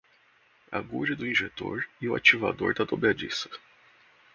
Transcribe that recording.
Agulha do injetor e o ativador da dobradiça